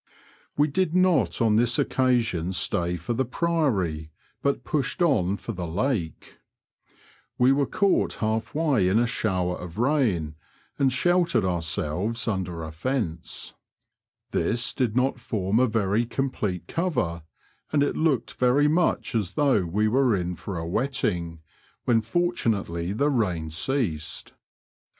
We did not on this occasion stay for the Priory, but pushed on for the lake. We were caught half way in a Digitized by VjOOQIC 44 BROADS AND RIVERS OF NORFOLK AND SUFFOLK. shower of rain, and sheltered ourselves under a fence. This did not form a very complete cover, and it looked very much as though we were in for a wetting, when fortunately the rain ceased.